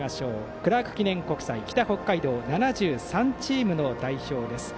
クラーク記念国際北北海道７３チームの代表です。